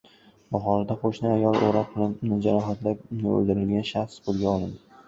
Buxoroda qo‘shni ayolni o‘roq bilan jarohatlab o‘ldirgan shaxs qo‘lga olindi